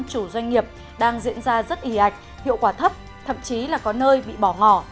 chủ doanh nghiệp đang diễn ra rất ý ạch hiệu quả thấp thậm chí là có nơi bị bỏ ngỏ